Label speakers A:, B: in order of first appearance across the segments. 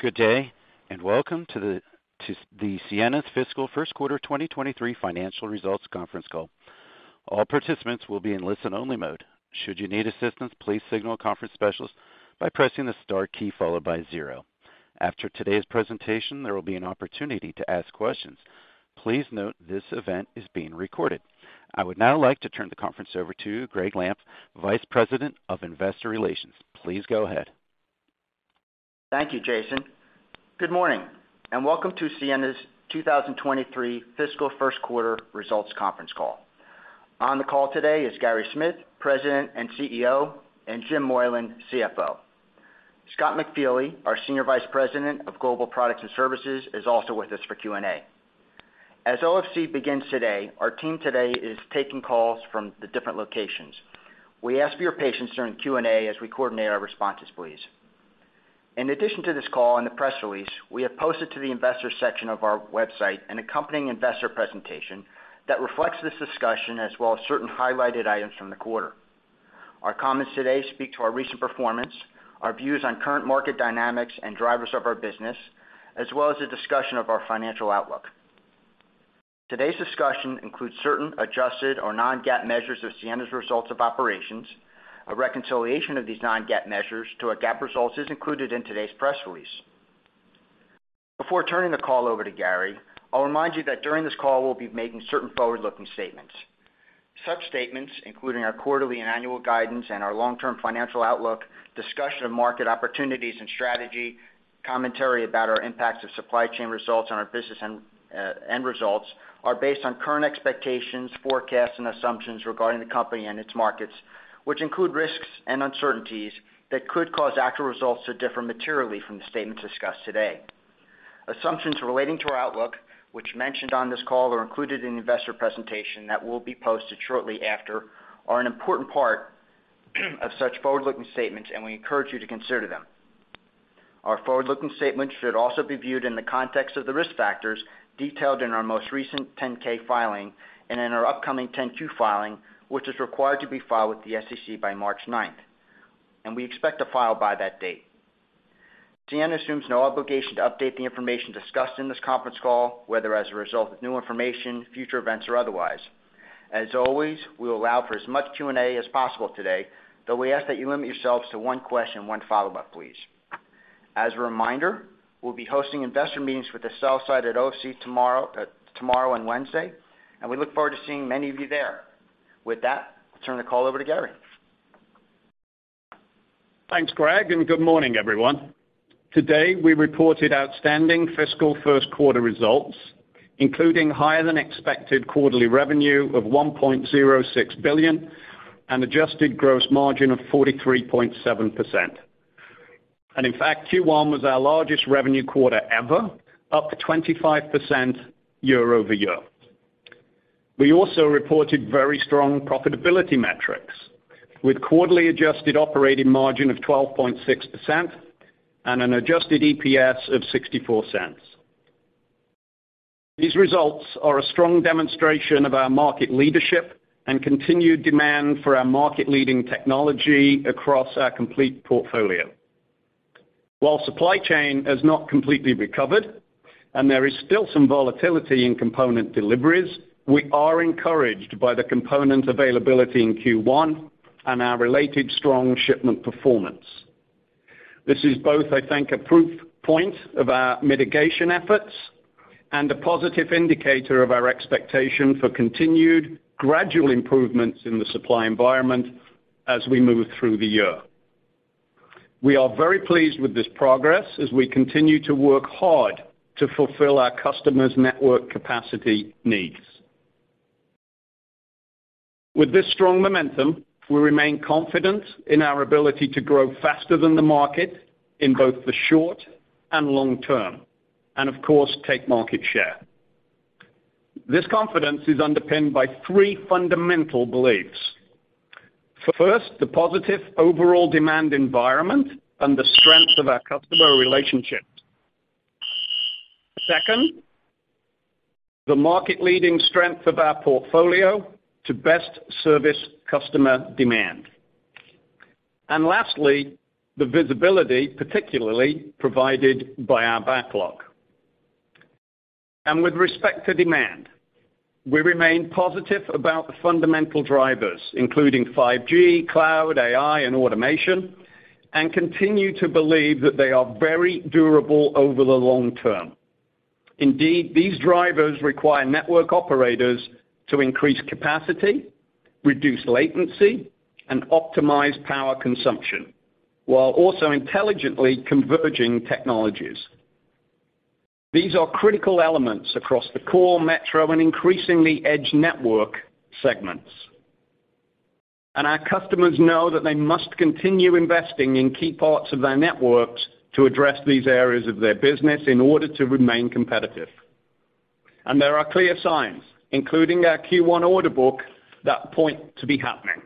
A: Good day. Welcome to the Ciena's Fiscal First Quarter 2023 Financial Results conference call. All participants will be in listen-only mode. Should you need assistance, please signal a conference specialist by pressing the star key followed by zero. After today's presentation, there will be an opportunity to ask questions. Please note this event is being recorded. I would now like to turn the conference over to Gregg Lampf, Vice President of Investor Relations. Please go ahead.
B: Thank you, Jason. Good morning, welcome to Ciena's 2023 Fiscal First Quarter Results conference call. On the call today is Gary Smith, President and CEO, and Jim Moylan, CFO. Scott McFeely, our Senior Vice President of Global Products and Services, is also with us for Q&A. As OFC begins today, our team today is taking calls from the different locations. We ask for your patience during Q&A as we coordinate our responses, please. In addition to this call and the press release, we have posted to the investors section of our website an accompanying investor presentation that reflects this discussion as well as certain highlighted items from the quarter. Our comments today speak to our recent performance, our views on current market dynamics and drivers of our business, as well as a discussion of our financial outlook. Today's discussion includes certain adjusted or non-GAAP measures of Ciena's results of operations. A reconciliation of these non-GAAP measures to our GAAP results is included in today's press release. Before turning the call over to Gary, I'll remind you that during this call we'll be making certain forward-looking statements. Such statements, including our quarterly and annual guidance and our long-term financial outlook, discussion of market opportunities and strategy, commentary about our impacts of supply chain results on our business and end results, are based on current expectations, forecasts, and assumptions regarding the company and its markets, which include risks and uncertainties that could cause actual results to differ materially from the statements discussed today. Assumptions relating to our outlook, which mentioned on this call are included in the investor presentation that will be posted shortly after, are an important part of such forward-looking statements, and we encourage you to consider them. Our forward-looking statements should also be viewed in the context of the risk factors detailed in our most recent 10-K filing and in our upcoming 10-Q filing, which is required to be filed with the SEC by March ninth, and we expect to file by that date. Ciena assumes no obligation to update the information discussed in this conference call, whether as a result of new information, future events, or otherwise. As always, we will allow for as much Q&A as possible today, though we ask that you limit yourselves to one question, one follow-up, please. As a reminder, we'll be hosting investor meetings with the sell side at OFC tomorrow and Wednesday. We look forward to seeing many of you there. With that, I'll turn the call over to Gary.
C: Thanks, Gregg, and good morning, everyone. Today, we reported outstanding fiscal first quarter results, including higher than expected quarterly revenue of $1.06 billion and adjusted gross margin of 43.7%. In fact, Q1 was our largest revenue quarter ever, up 25% year-over-year. We also reported very strong profitability metrics with quarterly adjusted operating margin of 12.6% and an adjusted EPS of $0.64. These results are a strong demonstration of our market leadership and continued demand for our market-leading technology across our complete portfolio. While supply chain has not completely recovered and there is still some volatility in component deliveries, we are encouraged by the component availability in Q1 and our related strong shipment performance. This is both, I think, a proof point of our mitigation efforts and a positive indicator of our expectation for continued gradual improvements in the supply environment as we move through the year. We are very pleased with this progress as we continue to work hard to fulfill our customers' network capacity needs. With this strong momentum, we remain confident in our ability to grow faster than the market in both the short and long term and of course, take market share. This confidence is underpinned by three fundamental beliefs. First, the positive overall demand environment and the strength of our customer relationships. Second, the market-leading strength of our portfolio to best service customer demand. Lastly, the visibility, particularly provided by our backlog. With respect to demand, we remain positive about the fundamental drivers, including 5G, cloud, AI, and automation, and continue to believe that they are very durable over the long term. Indeed, these drivers require network operators to increase capacity, reduce latency, and optimize power consumption, while also intelligently converging technologies. These are critical elements across the core metro and increasingly edge network segments. Our customers know that they must continue investing in key parts of their networks to address these areas of their business in order to remain competitive. There are clear signs, including our Q1 order book, that point to be happening.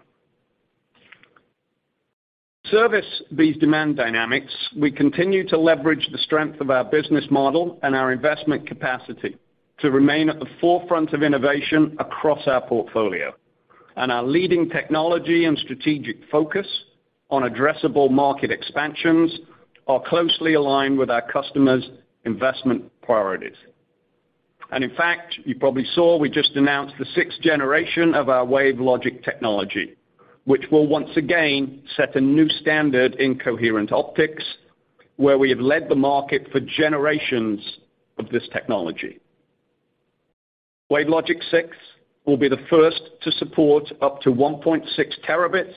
C: To service these demand dynamics, we continue to leverage the strength of our business model and our investment capacity to remain at the forefront of innovation across our portfolio. Our leading technology and strategic focus on addressable market expansions are closely aligned with our customers' investment priorities. In fact, you probably saw we just announced the 6th generation of our WaveLogic technology, which will once again set a new standard in coherent optics, where we have led the market for generations of this technology. WaveLogic 6 will be the first to support up to 1.6 Tb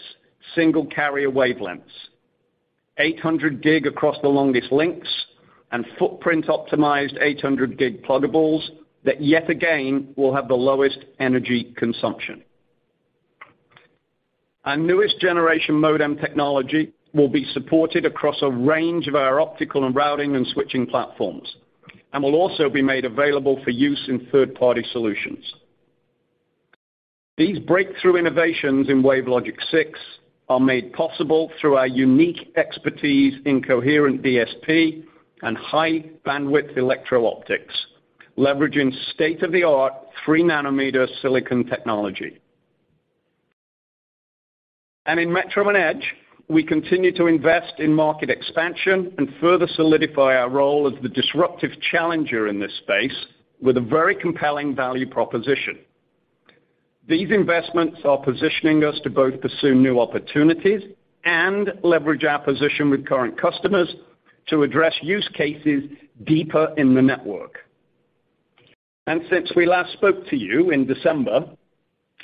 C: single carrier wavelengths, 800 Gb across the longest links, and footprint-optimized 800 Gb pluggables that yet again will have the lowest energy consumption. Our newest generation modem technology will be supported across a range of our optical and routing and switching platforms and will also be made available for use in third-party solutions. These breakthrough innovations in WaveLogic 6 are made possible through our unique expertise in coherent DSP and high bandwidth electro-optics, leveraging state-of-the-art 3-nanometer silicon technology. In metro and edge, we continue to invest in market expansion and further solidify our role as the disruptive challenger in this space with a very compelling value proposition. These investments are positioning us to both pursue new opportunities and leverage our position with current customers to address use cases deeper in the network. Since we last spoke to you in December,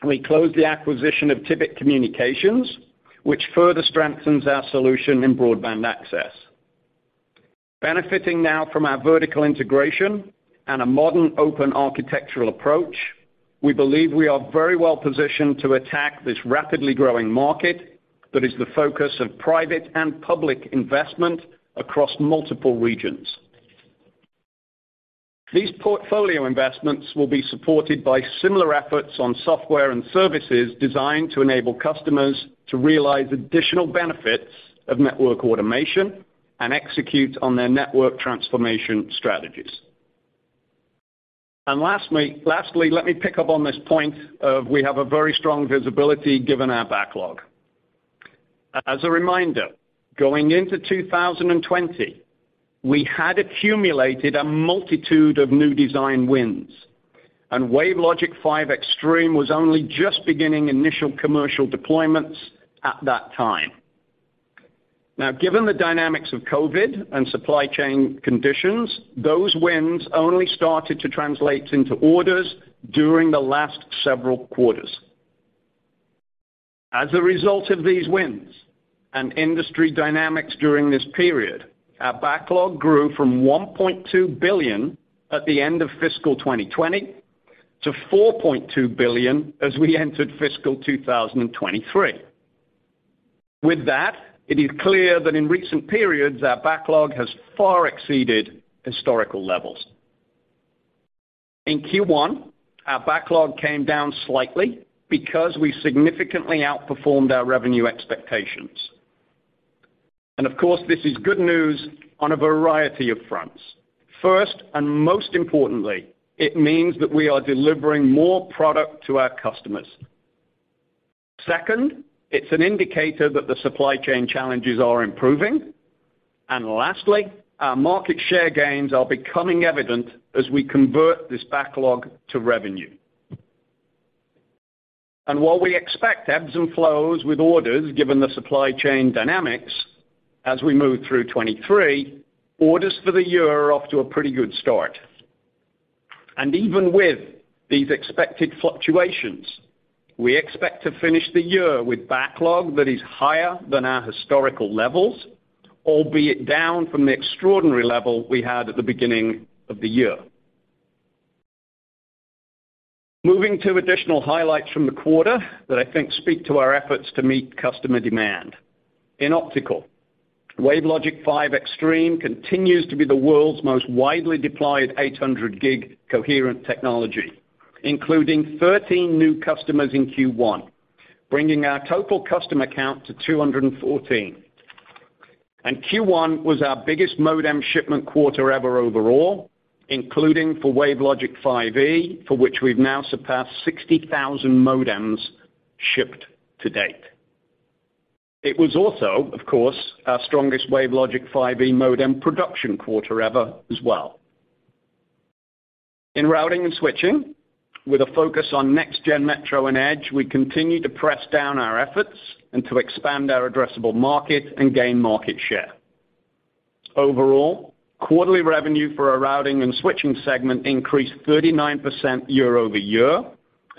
C: we closed the acquisition of Tibit Communications, which further strengthens our solution in broadband access. Benefiting now from our vertical integration and a modern open architectural approach, we believe we are very well positioned to attack this rapidly growing market that is the focus of private and public investment across multiple regions. These portfolio investments will be supported by similar efforts on software and services designed to enable customers to realize additional benefits of network automation and execute on their network transformation strategies. Lastly, let me pick up on this point of we have a very strong visibility given our backlog. As a reminder, going into 2020, we had accumulated a multitude of new design wins, and WaveLogic 5 Extreme was only just beginning initial commercial deployments at that time. Now, given the dynamics of COVID and supply chain conditions, those wins only started to translate into orders during the last several quarters. As a result of these wins and industry dynamics during this period, our backlog grew from $1.2 billion at the end of fiscal 2020 to $4.2 billion as we entered fiscal 2023. With that, it is clear that in recent periods, our backlog has far exceeded historical levels. In Q1, our backlog came down slightly because we significantly outperformed our revenue expectations. Of course, this is good news on a variety of fronts. First, and most importantly, it means that we are delivering more product to our customers. Second, it's an indicator that the supply chain challenges are improving. Lastly, our market share gains are becoming evident as we convert this backlog to revenue. While we expect ebbs and flows with orders given the supply chain dynamics as we move through 2023, orders for the year are off to a pretty good start. Even with these expected fluctuations, we expect to finish the year with backlog that is higher than our historical levels, albeit down from the extraordinary level we had at the beginning of the year. Moving to additional highlights from the quarter that I think speak to our efforts to meet customer demand. In optical, WaveLogic 5 Extreme continues to be the world's most widely deployed 800 Gb coherent technology, including 13 new customers in Q1, bringing our total customer count to 214. Q1 was our biggest modem shipment quarter ever overall, including for WaveLogic 5e, for which we've now surpassed 60,000 modems shipped to date. It was also, of course, our strongest WaveLogic 5e modem production quarter ever as well. In routing and switching, with a focus on next-gen metro and edge, we continue to press down our efforts and to expand our addressable market and gain market share. Overall, quarterly revenue for our routing and switching segment increased 39% year-over-year.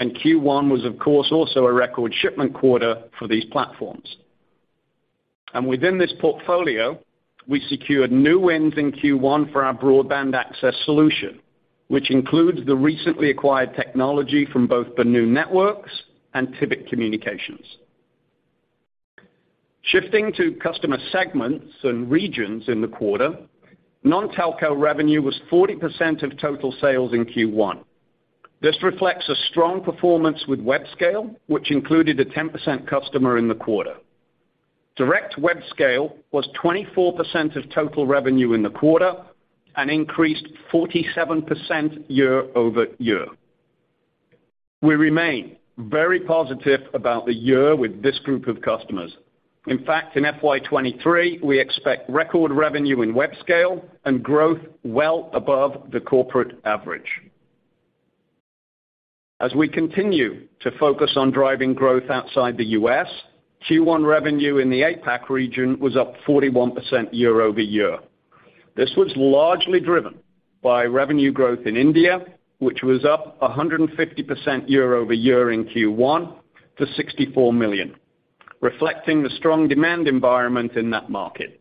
C: Q1 was of course also a record shipment quarter for these platforms. Within this portfolio, we secured new wins in Q1 for our broadband access solution, which includes the recently acquired technology from both Benu Networks and Tibit Communications. Shifting to customer segments and regions in the quarter, non-telco revenue was 40% of total sales in Q1. This reflects a strong performance with Webscale, which included a 10% customer in the quarter. Direct Webscale was 24% of total revenue in the quarter and increased 47% year-over-year. We remain very positive about the year with this group of customers. In fact, in FY 2023, we expect record revenue in Webscale and growth well above the corporate average. As we continue to focus on driving growth outside the U.S., Q1 revenue in the APAC region was up 41% year-over-year. This was largely driven by revenue growth in India, which was up 150% year-over-year in Q1 to $64 million, reflecting the strong demand environment in that market.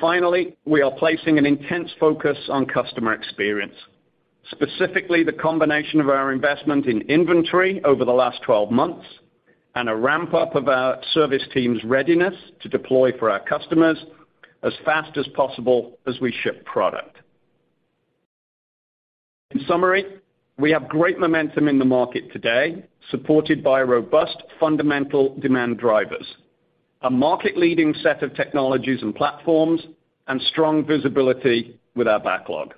C: Finally, we are placing an intense focus on customer experience, specifically the combination of our investment in inventory over the last 12 months and a ramp-up of our service team's readiness to deploy for our customers as fast as possible as we ship product. In summary, we have great momentum in the market today, supported by robust fundamental demand drivers, a market-leading set of technologies and platforms, and strong visibility with our backlog.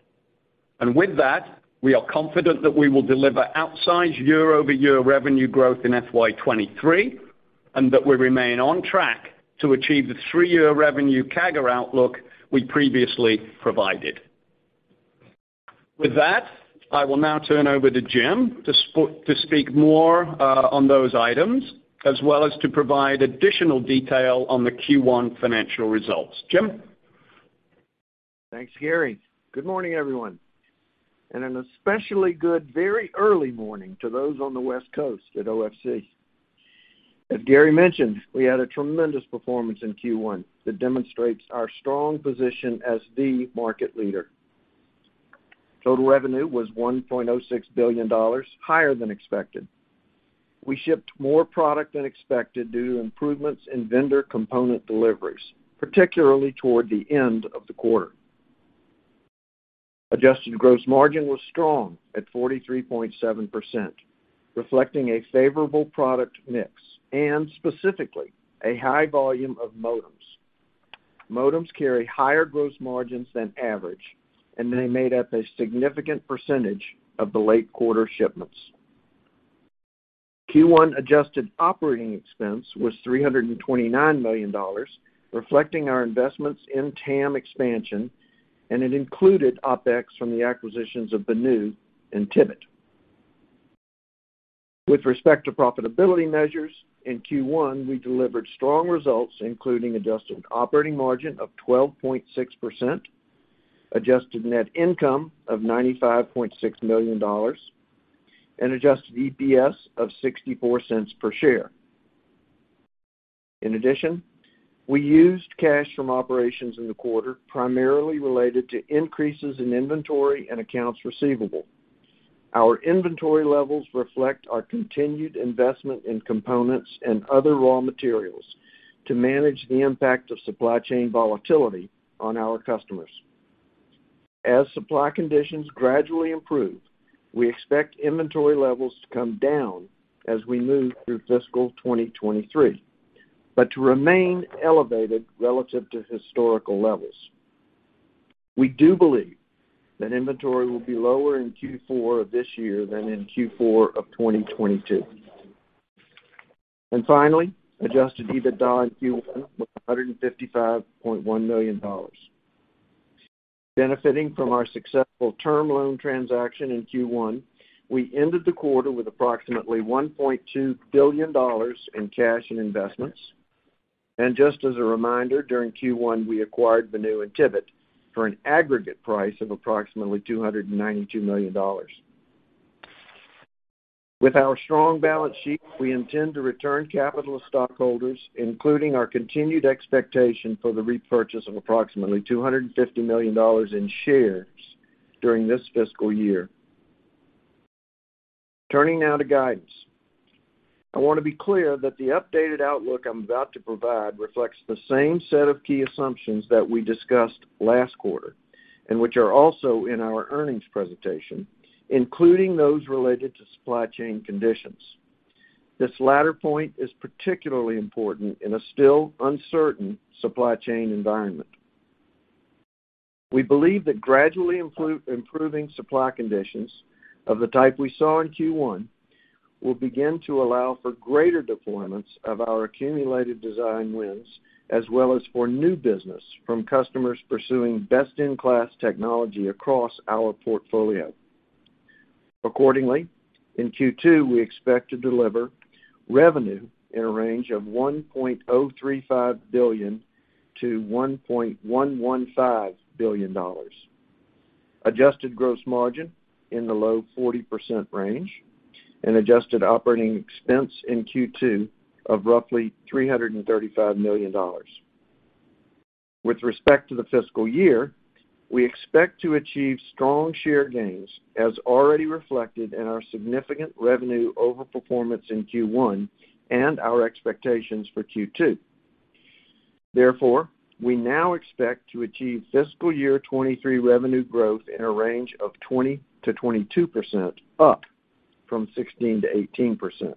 C: With that, we are confident that we will deliver outsized year-over-year revenue growth in FY 2023 and that we remain on track to achieve the three-year revenue CAGR outlook we previously provided. With that, I will now turn over to Jim to speak more on those items, as well as to provide additional detail on the Q1 financial results. Jim?
D: Thanks, Gary. Good morning, everyone, and an especially good very early morning to those on the West Coast at OFC. As Gary mentioned, we had a tremendous performance in Q1 that demonstrates our strong position as the market leader. Total revenue was $1.06 billion, higher than expected. We shipped more product than expected due to improvements in vendor component deliveries, particularly toward the end of the quarter. Adjusted gross margin was strong at 43.7%, reflecting a favorable product mix and specifically a high volume of modems. Modems carry higher gross margins than average, and they made up a significant percentage of the late quarter shipments. Q1 adjusted operating expense was $329 million, reflecting our investments in TAM expansion, and it included OpEx from the acquisitions of Benu and Tibit. With respect to profitability measures, in Q1, we delivered strong results, including adjusted operating margin of 12.6%, adjusted net income of $95.6 million, and adjusted EPS of $0.64 per share. In addition, we used cash from operations in the quarter, primarily related to increases in inventory and accounts receivable. Our inventory levels reflect our continued investment in components and other raw materials to manage the impact of supply chain volatility on our customers. As supply conditions gradually improve, we expect inventory levels to come down as we move through fiscal 2023, but to remain elevated relative to historical levels. We do believe that inventory will be lower in Q4 of this year than in Q4 of 2022. Finally, adjusted EBITDA in Q1 was $155.1 million. Benefiting from our successful term loan transaction in Q1, we ended the quarter with approximately $1.2 billion in cash and investments. Just as a reminder, during Q1, we acquired Benu and Tibit for an aggregate price of approximately $292 million. With our strong balance sheet, we intend to return capital to stockholders, including our continued expectation for the repurchase of approximately $250 million in shares during this fiscal year. Turning now to guidance. I want to be clear that the updated outlook I'm about to provide reflects the same set of key assumptions that we discussed last quarter and which are also in our earnings presentation, including those related to supply chain conditions. This latter point is particularly important in a still uncertain supply chain environment. We believe that gradually improving supply conditions of the type we saw in Q1 will begin to allow for greater deployments of our accumulated design wins, as well as for new business from customers pursuing best-in-class technology across our portfolio. Accordingly, in Q2, we expect to deliver revenue in a range of $1.035 billion-$1.115 billion, adjusted gross margin in the low 40% range and adjusted operating expense in Q2 of roughly $335 million. With respect to the fiscal year, we expect to achieve strong share gains as already reflected in our significant revenue overperformance in Q1 and our expectations for Q2. Therefore, we now expect to achieve fiscal year 2023 revenue growth in a range of 20%-22%, up from 16%-18%.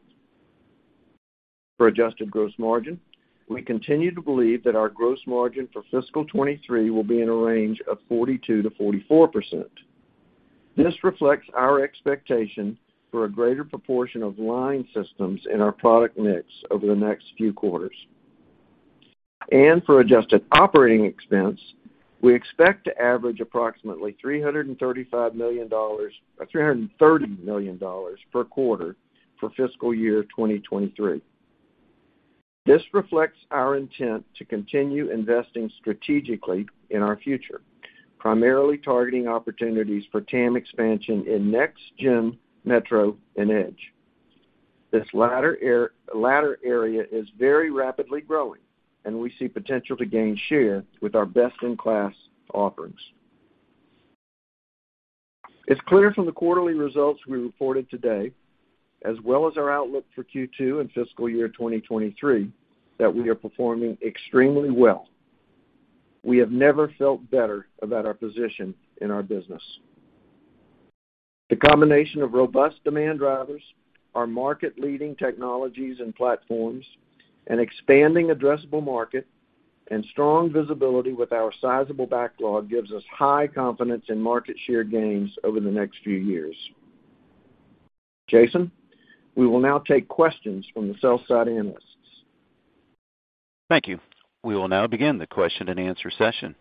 D: For adjusted gross margin, we continue to believe that our gross margin for fiscal 2023 will be in a range of 42%-44%. This reflects our expectation for a greater proportion of line systems in our product mix over the next few quarters. For adjusted OpEx, we expect to average approximately $335 million or $330 million per quarter for fiscal year 2023. This reflects our intent to continue investing strategically in our future, primarily targeting opportunities for TAM expansion in next-gen metro and edge. This latter area is very rapidly growing, and we see potential to gain share with our best-in-class offerings. It's clear from the quarterly results we reported today, as well as our outlook for Q2 and fiscal year 2023, that we are performing extremely well. We have never felt better about our position in our business. The combination of robust demand drivers, our market-leading technologies and platforms, an expanding addressable market, and strong visibility with our sizable backlog gives us high confidence in market share gains over the next few years. Jason, we will now take questions from the sell-side analysts.
A: Thank you. We will now begin the question-and-answer session.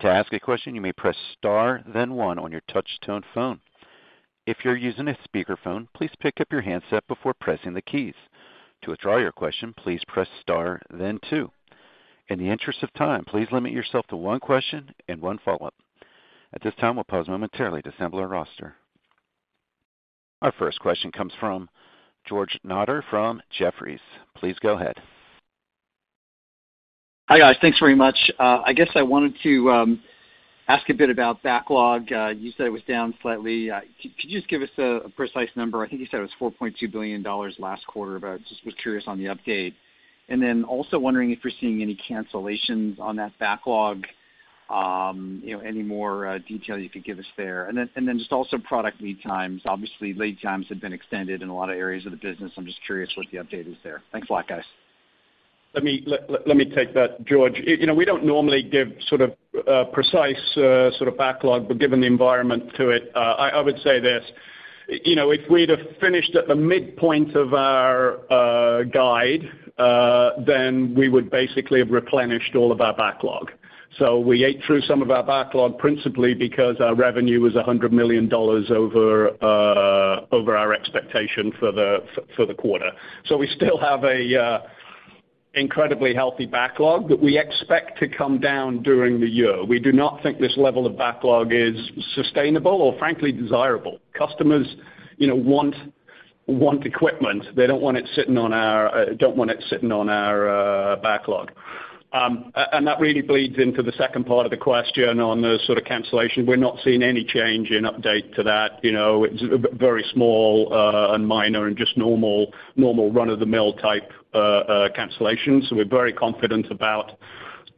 A: To ask a question, you may press star then one on your touch tone phone. If you're using a speakerphone, please pick up your handset before pressing the keys. To withdraw your question, please press star then two. In the interest of time, please limit yourself to one question and one follow-up. At this time, we'll pause momentarily to assemble our roster. Our first question comes from George Notter from Jefferies. Please go ahead.
E: Hi, guys. Thanks very much. I guess I wanted to ask a bit about backlog. You said it was down slightly. Could you just give us a precise number? I think you said it was $4.2 billion last quarter, but just was curious on the update. Also wondering if you're seeing any cancellations on that backlog, you know, any more detail you could give us there. Just also product lead times. Obviously, lead times have been extended in a lot of areas of the business. I'm just curious what the update is there. Thanks a lot, guys.
D: Let me take that, George. You know, we don't normally give sort of precise sort of backlog. Given the environment to it, I would say this. You know, if we'd have finished at the midpoint of our guide, we would basically have replenished all of our backlog. We ate through some of our backlog principally because our revenue was $100 million over our expectation for the quarter. We still have a incredibly healthy backlog that we expect to come down during the year. We do not think this level of backlog is sustainable or frankly desirable. Customers, you know, want equipment. They don't want it sitting on our, don't want it sitting on our backlog. That really bleeds into the second part of the question on the sort of cancellation. We're not seeing any change in update to that. You know, it's very small and minor and just normal run-of-the-mill type cancellations. We're very confident about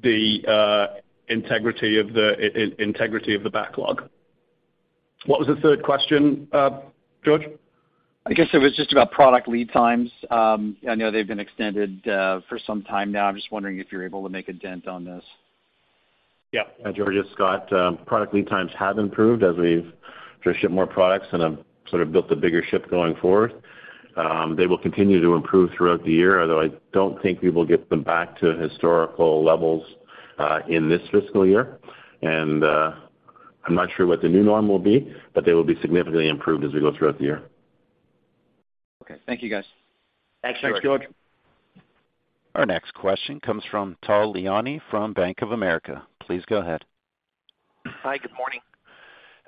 D: the integrity of the backlog. What was the third question, George?
E: I guess it was just about product lead times. I know they've been extended for some time now. I'm just wondering if you're able to make a dent on this.
F: Yeah. George, it's Scott. Product lead times have improved as we've shipped more products and have sort of built a bigger ship going forward. They will continue to improve throughout the year, although I don't think we will get them back to historical levels in this fiscal year. I'm not sure what the new norm will be, but they will be significantly improved as we go throughout the year.
E: Okay. Thank you, guys.
D: Thanks, George.
A: Our next question comes from Tal Liani from Bank of America. Please go ahead.
G: Hi, good morning.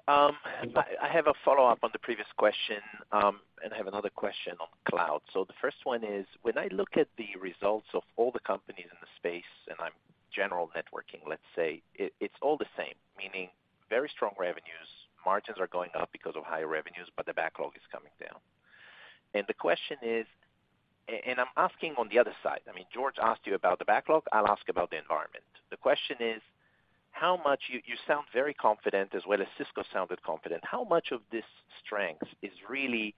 G: I have a follow-up on the previous question, and I have another question on cloud. The first one is, when I look at the results of all the companies in the space, and I'm general networking, let's say, it's all the same, meaning very strong revenues. Margins are going up because of higher revenues, but the backlog is coming down. The question is, I'm asking on the other side. I mean, George asked you about the backlog. I'll ask about the environment. The question is how much You sound very confident as well as Cisco sounded confident. How much of this strength is really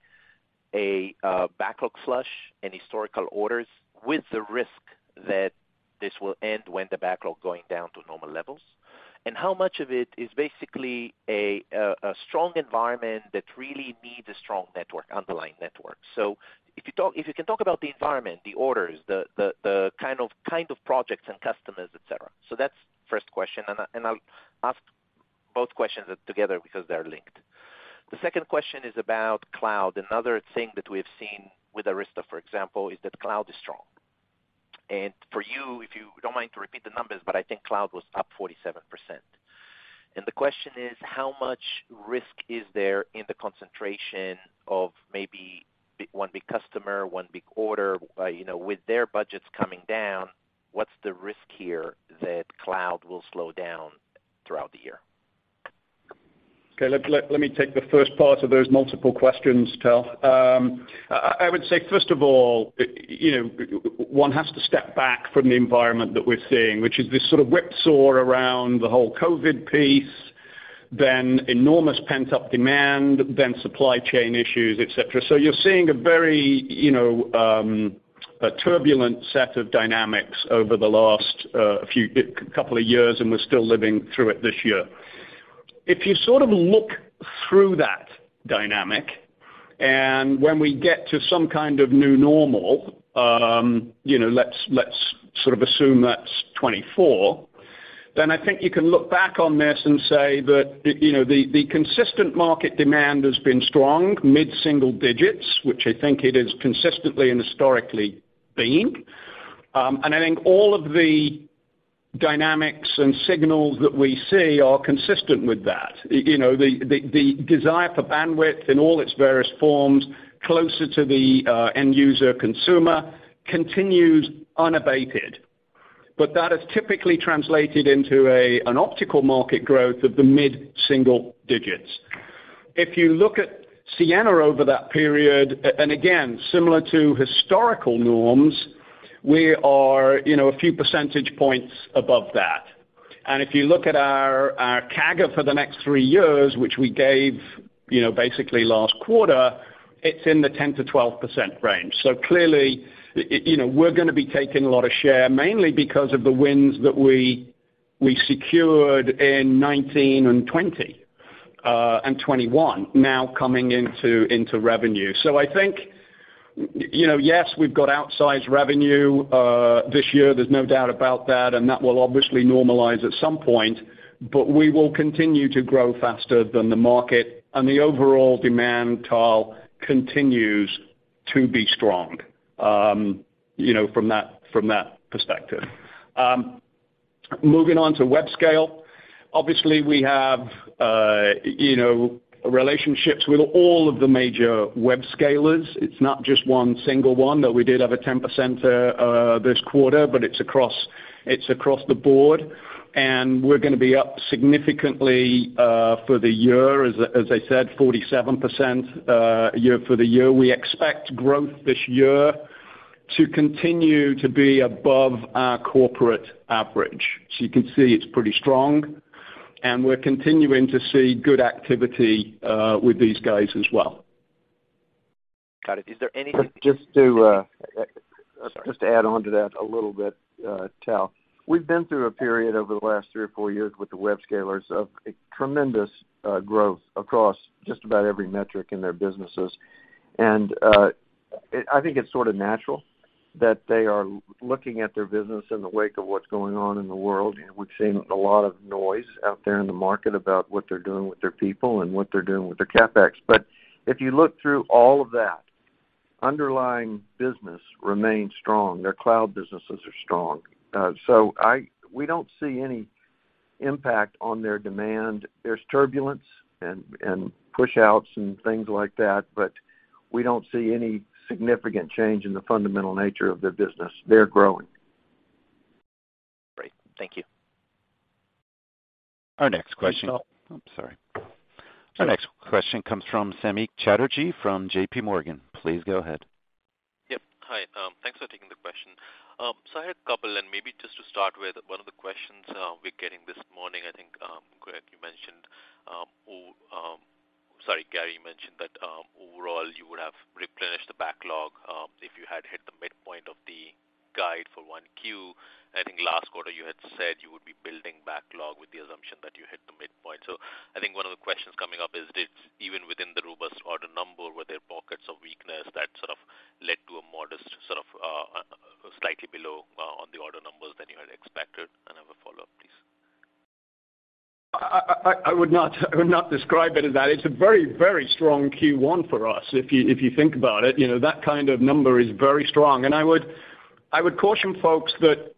G: a backlog flush and historical orders with the risk that this will end when the backlog going down to normal levels? How much of it is basically a strong environment that really needs a strong network, underlying network? If you can talk about the environment, the orders, the kind of projects and customers, et cetera. That's first question. I, and I'll ask both questions together because they're linked. The second question is about cloud. Another thing that we've seen with Arista, for example, is that cloud is strong. For you, if you don't mind to repeat the numbers, but I think cloud was up 47%. The question is how much risk is there in the concentration of maybe one big customer, one big order? You know, with their budgets coming down, what's the risk here that cloud will slow down throughout the year?
C: Let me take the first part of those multiple questions, Tal. I would say, first of all, you know, one has to step back from the environment that we're seeing, which is this sort of whipsaw around the whole COVID piece, then enormous pent-up demand, then supply chain issues, et cetera. You're seeing a very, you know, a turbulent set of dynamics over the last couple of years, and we're still living through it this year. If you sort of look through that dynamic and when we get to some kind of new normal, you know, let's sort of assume that's 2024, then I think you can look back on this and say that, you know, the consistent market demand has been strong, mid-single digits, which I think it has consistently and historically been. I think all of the dynamics and signals that we see are consistent with that. You know, the, the desire for bandwidth in all its various forms closer to the end user consumer continues unabated. That has typically translated into an optical market growth of the mid-single digits. If you look at Ciena over that period, and again, similar to historical norms, we are, you know, a few percentage points above that. If you look at our CAGR for the next three years, which we gave, you know, basically last quarter, it's in the 10%-12% range. Clearly, you know, we're gonna be taking a lot of share, mainly because of the wins that we secured in 2019 and 2020, and 2021 now coming into revenue. I think, you know, yes, we've got outsized revenue this year, there's no doubt about that, and that will obviously normalize at some point, but we will continue to grow faster than the market. The overall demand, Tal, continues to be strong, you know, from that perspective. Moving on to Webscale, obviously we have, you know, relationships with all of the major webscalers. It's not just one single one, though we did have a 10 percenter this quarter, but it's across the board. We're gonna be up significantly for the year, as I said, 47% for the year. We expect growth this year to continue to be above our corporate average. You can see it's pretty strong, and we're continuing to see good activity, with these guys as well.
G: Got it. Is there anything-
D: Just to add on to that a little bit, Tal. We've been through a period over the last three or four years with the webscalers of tremendous growth across just about every metric in their businesses. I think it's sort of natural that they are looking at their business in the wake of what's going on in the world. We've seen a lot of noise out there in the market about what they're doing with their people and what they're doing with their CapEx. If you look through all of that, underlying business remains strong. Their cloud businesses are strong. We don't see any impact on their demand. There's turbulence and push-outs and things like that, but we don't see any significant change in the fundamental nature of their business. They're growing.
G: Great. Thank you.
A: Our next question-
D: Tal. I'm sorry.
A: Our next question comes from Samik Chatterjee from JPMorgan. Please go ahead.
H: Yep. Hi. Thanks for taking the question. I had a couple, and maybe just to start with one of the questions we're getting this morning, I think, Gregg, you mentioned, all, sorry, Gary, you mentioned that overall, you would have replenished the backlog if you had hit the midpoint of the guide for 1Q. I think last quarter you had said you would be building backlog with the assumption that you hit the midpoint. I think one of the questions coming up is this: even within the robust order number, were there pockets of weakness that sort of led to a modest sort of, slightly below on the order numbers than you had expected? I have a follow-up, please.
C: I would not describe it as that. It's a very, very strong Q1 for us, if you think about it. You know, that kind of number is very strong. I would caution folks that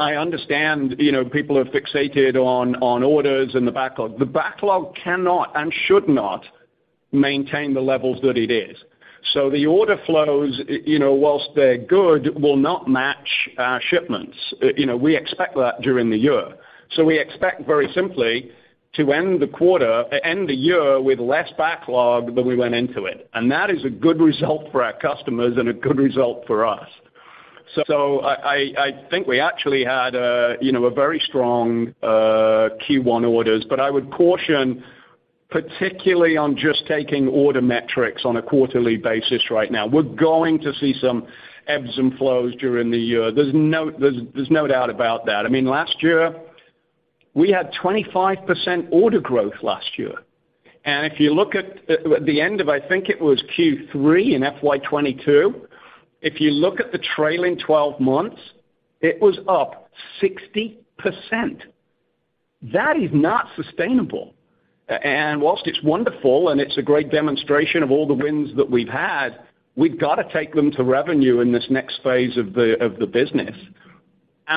C: I understand, you know, people are fixated on orders and the backlog. The backlog cannot and should not maintain the levels that it is. The order flows, you know, whilst they're good, will not match our shipments. You know, we expect that during the year. We expect very simply to end the year with less backlog than we went into it. That is a good result for our customers and a good result for us. I think we actually had a, you know, a very strong Q1 orders, but I would caution, particularly on just taking order metrics on a quarterly basis right now. We're going to see some ebbs and flows during the year. There's no doubt about that. I mean, last year, we had 25% order growth last year. If you look at the end of, I think it was Q3 in FY 2022, if you look at the trailing 12 months, it was up 60%. That is not sustainable. Whilst it's wonderful and it's a great demonstration of all the wins that we've had, we've got to take them to revenue in this next phase of the business.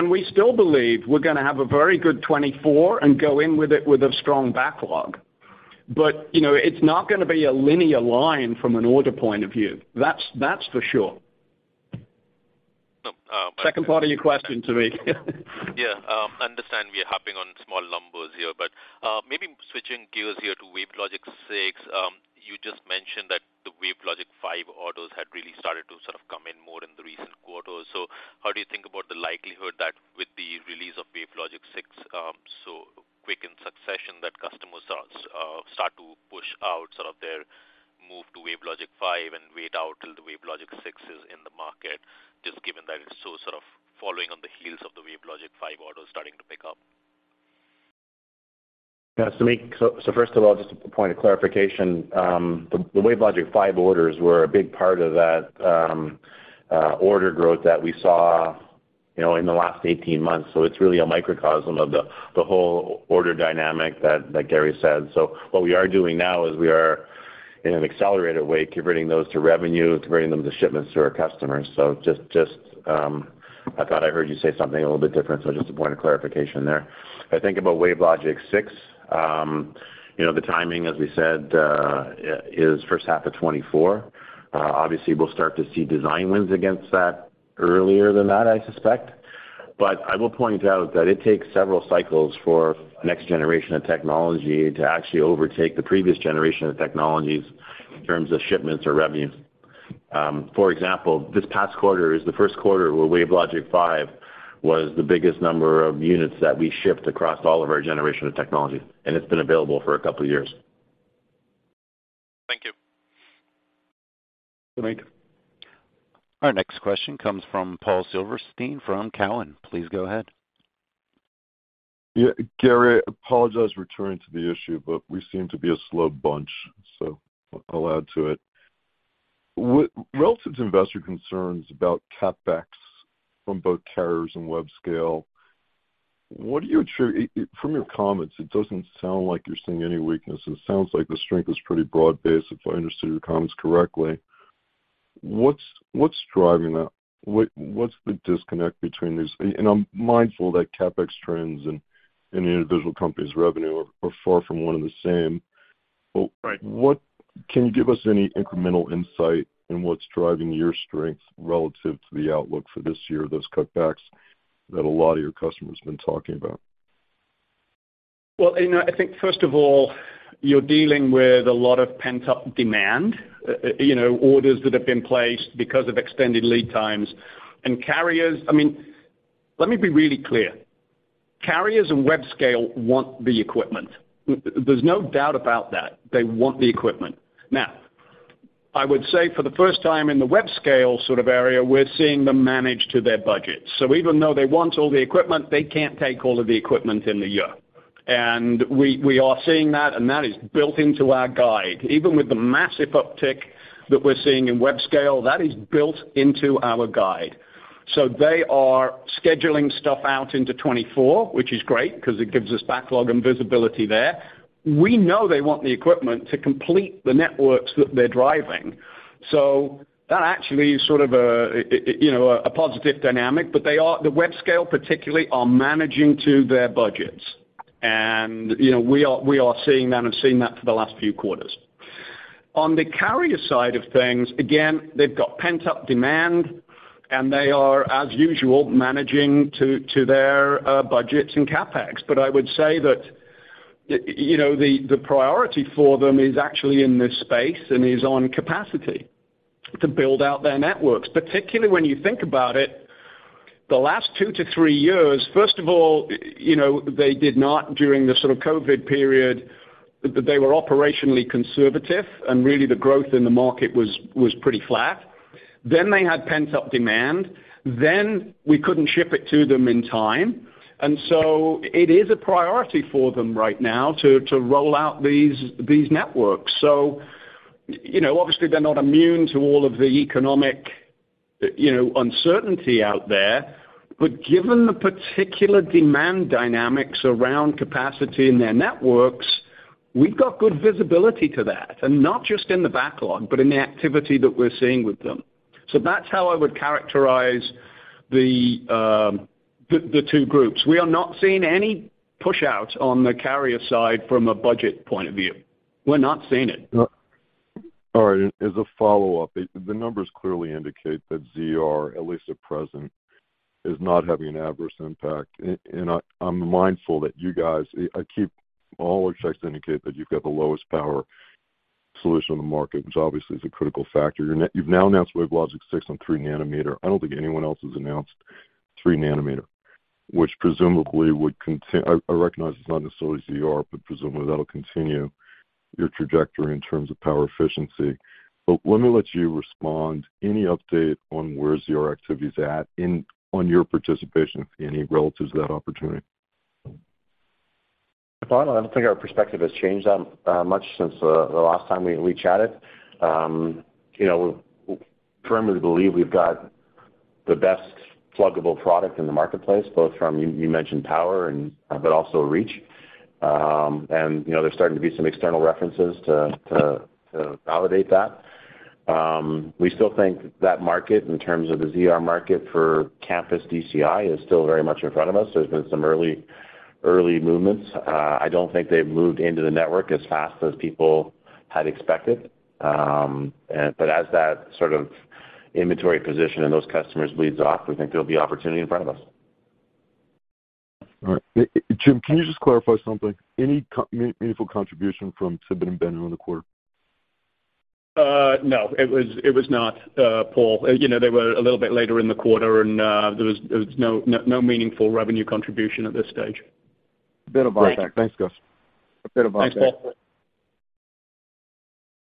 C: We still believe we're gonna have a very good 2024 and go in with it with a strong backlog. You know, it's not gonna be a linear line from an order point of view. That's for sure. Second part of your question, Samik.
H: Understand we are harping on small numbers here, but maybe switching gears here to WaveLogic 6. You just mentioned that the WaveLogic 5 orders had really started to sort of come in more in the recent quarters. How do you think about the likelihood that with the release of WaveLogic 6, so quick in succession that customers are start to push out sort of their move to WaveLogic 5 and wait out till the WaveLogic 6 is in the market, just given that it's so sort of following on the heels of the WaveLogic 5 orders starting to pick up?
C: Yeah. Samik, so first of all, just a point of clarification. The WaveLogic 5 orders were a big part of that order growth that we saw, you know, in the last 18 months. It's really a microcosm of the whole order dynamic that Gary said. What we are doing now is we are in an accelerated way converting those to revenue, converting them to shipments to our customers. Just I thought I heard you say something a little bit different, so just a point of clarification there. If I think about WaveLogic 6, you know, the timing, as we said, is first half of 2024. Obviously, we'll start to see design wins against that earlier than that, I suspect. I will point out that it takes several cycles for next generation of technology to actually overtake the previous generation of technologies in terms of shipments or revenue. For example, this past quarter is the first quarter where WaveLogic 5 was the biggest number of units that we shipped across all of our generation of technologies, and it's been available for a couple of years.
H: Thank you.
C: Samik.
A: Our next question comes from Paul Silverstein from Cowen. Please go ahead.
I: Gary, apologize returning to the issue. We seem to be a slow bunch. I'll add to it. Relative to investor concerns about CapEx from both carriers and Webscale, what do you attribute? From your comments, it doesn't sound like you're seeing any weakness. It sounds like the strength is pretty broad-based, if I understood your comments correctly. What's driving that? What's the disconnect between these? I'm mindful that CapEx trends and any individual company's revenue are far from one and the same.
C: Right.
I: Can you give us any incremental insight in what's driving your strength relative to the outlook for this year, those cutbacks that a lot of your customers have been talking about?
C: Well, you know, I think first of all, you're dealing with a lot of pent-up demand, you know, orders that have been placed because of extended lead times. Carriers, I mean, let me be really clear. Carriers and Webscale want the equipment. There's no doubt about that. They want the equipment. I would say for the first time in the Webscale sort of area, we're seeing them manage to their budget. Even though they want all the equipment, they can't take all of the equipment in the year. We are seeing that, and that is built into our guide. Even with the massive uptick that we're seeing in Webscale, that is built into our guide. They are scheduling stuff out into 2024, which is great because it gives us backlog and visibility there. We know they want the equipment to complete the networks that they're driving. That actually is sort of a, you know, a positive dynamic. The Webscale particularly are managing to their budgets. You know, we are seeing that and have seen that for the last few quarters. On the carrier side of things, again, they've got pent-up demand, and they are, as usual, managing to their budgets and CapEx. I would say that, you know, the priority for them is actually in this space and is on capacity to build out their networks. Particularly when you think about it, the last two-three years, first of all, you know, they did not during the sort of COVID period, that they were operationally conservative and really the growth in the market was pretty flat. They had pent-up demand, then we couldn't ship it to them in time. It is a priority for them right now to roll out these networks. You know, obviously they're not immune to all of the economic, you know, uncertainty out there. Given the particular demand dynamics around capacity in their networks, we've got good visibility to that, and not just in the backlog, but in the activity that we're seeing with them. That's how I would characterize the two groups. We are not seeing any pushout on the carrier side from a budget point of view. We're not seeing it.
I: All right. As a follow-up, the numbers clearly indicate that ZR, at least at present, is not having an adverse impact. I'm mindful that you guys, I keep all checks indicate that you've got the lowest power solution on the market, which obviously is a critical factor. You've now announced WaveLogic 6 on 3-nanometer. I don't think anyone else has announced 3-nanometer, which presumably would continue. I recognize it's not necessarily ZR, but presumably that'll continue your trajectory in terms of power efficiency. Let me let you respond. Any update on where ZR activity is at on your participation, if any, relative to that opportunity?
C: Paul, I don't think our perspective has changed that much since the last time we chatted. you know, we firmly believe we've got the best pluggable product in the marketplace, both from you mentioned power and, but also reach. You know, there's starting to be some external references to validate that. We still think that market in terms of the ZR market for campus DCI is still very much in front of us. There's been some early. Early movements. I don't think they've moved into the network as fast as people had expected. As that sort of inventory position and those customers leads off, we think there'll be opportunity in front of us.
I: All right. Jim, can you just clarify something? Any meaningful contribution from Tibit and Benu on the quarter?
D: No, it was, it was not, Paul. You know, they were a little bit later in the quarter, and there was no meaningful revenue contribution at this stage.
I: Bit of buyback. Thanks, guys. A bit of buyback.
C: Thanks, Paul.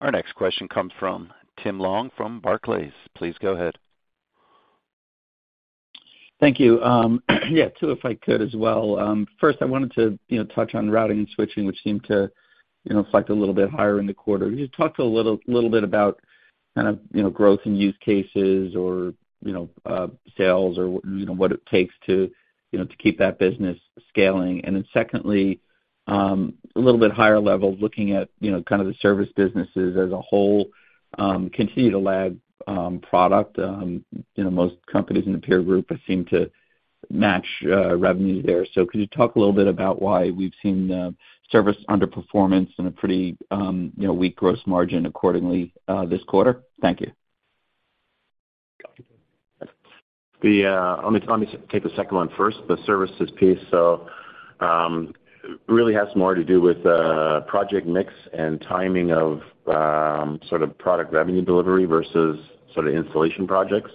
A: Our next question comes from Tim Long from Barclays. Please go ahead.
J: Thank you. Two if I could as well. First, I wanted to touch on routing and switching, which seemed to select a little bit higher in the quarter. Can you just talk a little bit about kind of growth and use cases or sales or what it takes to keep that business scaling. Secondly, a little bit higher level looking at kind of the service businesses as a whole, continue to lag product, most companies in the peer group seem to match revenue there. Could you talk a little bit about why we've seen the service underperformance in a pretty weak gross margin accordingly this quarter? Thank you.
F: The, let me take the second one first, the services piece. Really has more to do with project mix and timing of sort of product revenue delivery versus sort of installation projects.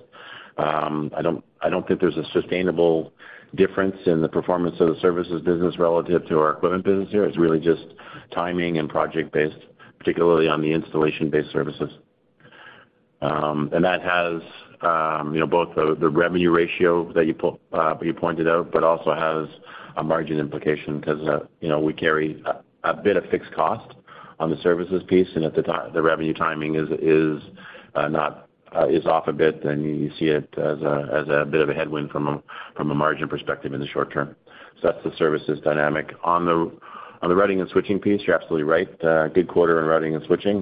F: I don't think there's a sustainable difference in the performance of the services business relative to our equipment business here. It's really just timing and project-based, particularly on the installation-based services. And that has, you know, both the revenue ratio that you pointed out, but also has a margin implication 'cause, you know, we carry a bit of fixed cost on the services piece and at the revenue timing is not, is off a bit, and you see it as a, as a bit of a headwind from a, from a margin perspective in the short term. That's the services dynamic. On the, on the routing and switching piece, you're absolutely right. Good quarter in routing and switching.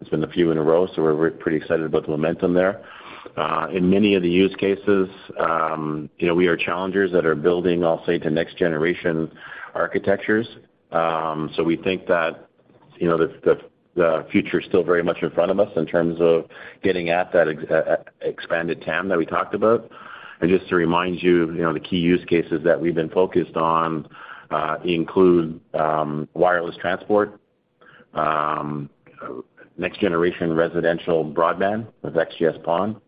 F: It's been a few in a row, so we're pretty excited about the momentum there. In many of the use cases, you know, we are challengers that are building, I'll say, to next-generation architectures. So we think that, you know, the, the future is still very much in front of us in terms of getting at that expanded TAM that we talked about. Just to remind you know, the key use cases that we've been focused on, include wireless transport, next generation residential broadband with XGS-PON,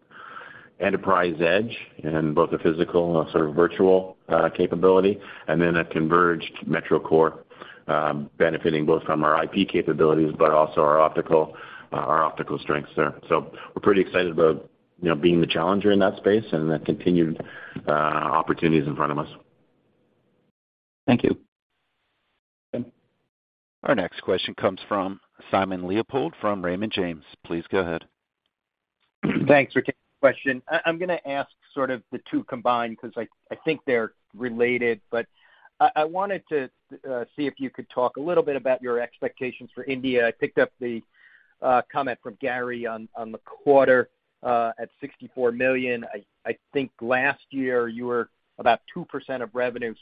F: enterprise edge in both the physical and sort of virtual capability, and then a converged metro core, benefiting both from our IP capabilities but also our optical, our optical strengths there. We're pretty excited about, you know, being the challenger in that space and the continued opportunities in front of us.
J: Thank you.
A: Our next question comes from Simon Leopold from Raymond James. Please go ahead.
K: Thanks for taking the question. I'm gonna ask sort of the two combined because I think they're related. I wanted to see if you could talk a little bit about your expectations for India. I picked up the comment from Gary on the quarter at $64 million. I think last year you were about 2% of revenue.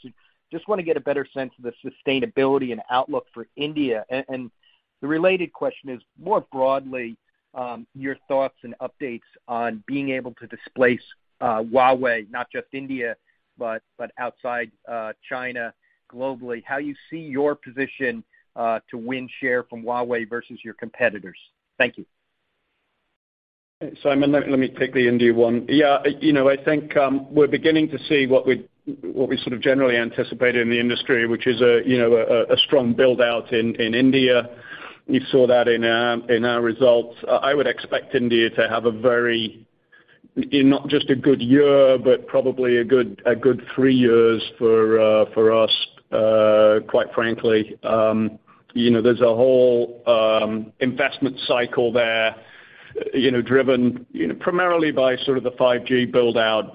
K: Just wanna get a better sense of the sustainability and outlook for India. The related question is, more broadly, your thoughts and updates on being able to displace Huawei, not just India, but outside China globally. How you see your position to win share from Huawei versus your competitors. Thank you.
C: Simon, let me take the India one. I think we're beginning to see what we sort of generally anticipated in the industry, which is a strong build-out in India. You saw that in our results. I would expect India to have a very, not just a good year, but probably a good three years for us, quite frankly. There's a whole investment cycle there, driven primarily by sort of the 5G build-out,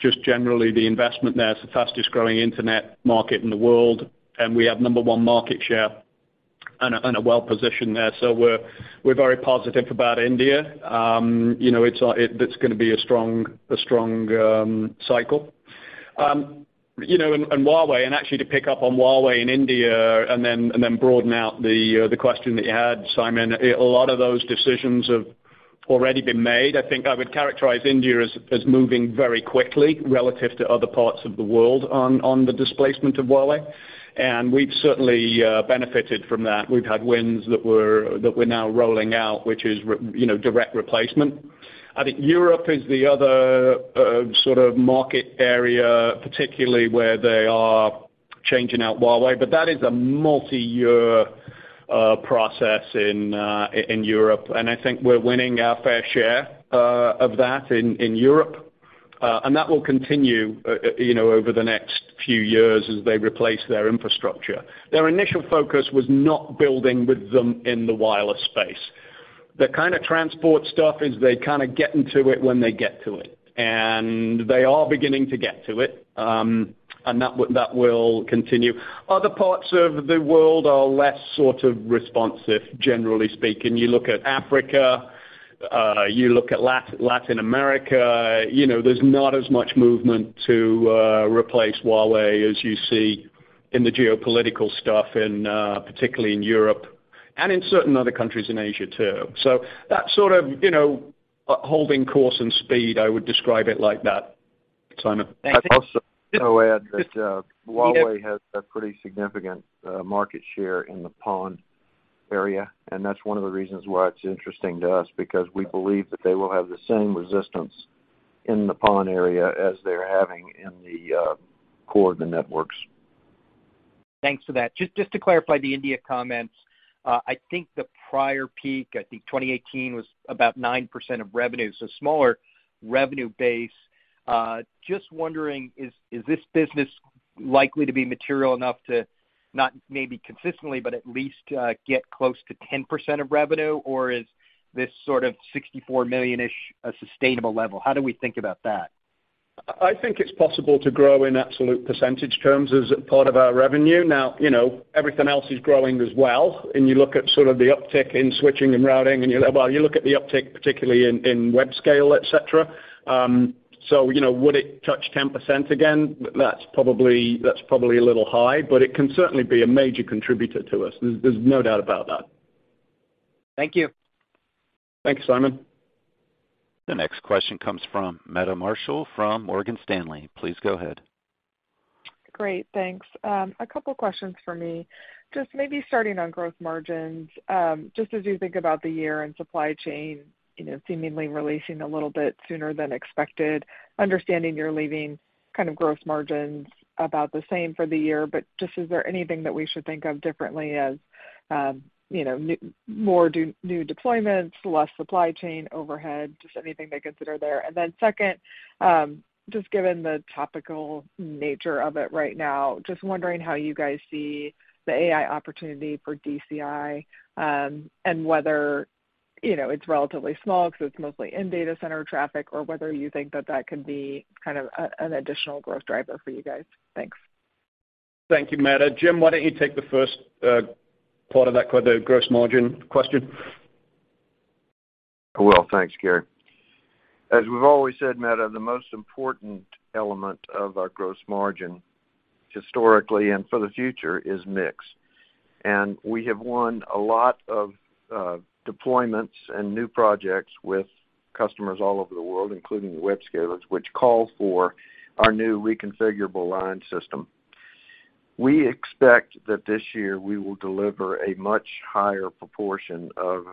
C: just generally the investment there. It's the fastest-growing internet market in the world, we have number one market share and are well-positioned there. We're very positive about India. It's gonna be a strong cycle. You know, and Huawei, and actually to pick up on Huawei in India and then broaden out the question that you had, Simon. A lot of those decisions have already been made. I think I would characterize India as moving very quickly relative to other parts of the world on the displacement of Huawei. We've certainly benefited from that. We've had wins that we're now rolling out, which is you know, direct replacement. I think Europe is the other sort of market area, particularly where they are changing out Huawei. That is a multi-year process in Europe. I think we're winning our fair share of that in Europe. That will continue, you know, over the next few years as they replace their infrastructure. Their initial focus was not building with them in the wireless space. The kind of transport stuff is they kind of get into it when they get to it, and they are beginning to get to it. That will continue. Other parts of the world are less sort of responsive, generally speaking. You look at Africa, you look at Latin America, you know, there's not as much movement to replace Huawei as you see in the geopolitical stuff in particularly in Europe. In certain other countries in Asia too. That sort of, you know, holding course and speed, I would describe it like that. Simon?
D: I'd also add that Huawei has a pretty significant market share in the PON area. That's one of the reasons why it's interesting to us, because we believe that they will have the same resistance in the PON area as they're having in the core of the networks.
K: Thanks for that. Just to clarify the India comments. I think the prior peak, I think 2018 was about 9% of revenue, so smaller revenue base. Just wondering, is this business likely to be material enough to not maybe consistently, but at least get close to 10% of revenue? Or is this sort of $64 million-ish a sustainable level? How do we think about that?
C: I think it's possible to grow in absolute percentage terms as part of our revenue. You know, everything else is growing as well, and you look at sort of the uptick in switching and routing, and you look at the uptick, particularly in Webscale, et cetera. You know, would it touch 10% again? That's probably a little high, but it can certainly be a major contributor to us. There's no doubt about that.
K: Thank you.
C: Thanks, Simon.
A: The next question comes from Meta Marshall from Morgan Stanley. Please go ahead.
L: Great. Thanks. A couple questions for me. Just maybe starting on growth margins, just as you think about the year and supply chain, you know, seemingly releasing a little bit sooner than expected, understanding you're leaving kind of growth margins about the same for the year, but just is there anything that we should think of differently as, you know, more new deployments, less supply chain overhead? Just anything to consider there. Second, just given the topical nature of it right now, just wondering how you guys see the AI opportunity for DCI, and whether, you know, it's relatively small because it's mostly in data center traffic or whether you think that that could be kind of an additional growth driver for you guys. Thanks.
C: Thank you, Meta. Jim, why don't you take the first part of that, the gross margin question.
D: I will. Thanks, Gary. As we've always said, Meta, the most important element of our gross margin, historically and for the future, is mix. We have won a lot of deployments and new projects with customers all over the world, including webscalers, which call for our new Reconfigurable Line System. We expect that this year we will deliver a much higher proportion of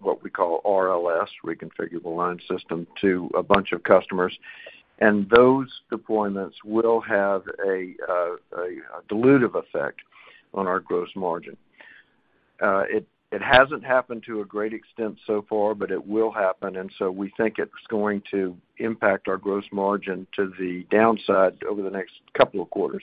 D: what we call RLS, Reconfigurable Line System, to a bunch of customers, and those deployments will have a dilutive effect on our gross margin. It hasn't happened to a great extent so far, but it will happen and so we think it's going to impact our gross margin to the downside over the next couple of quarters.